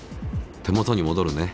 手もとに戻るね。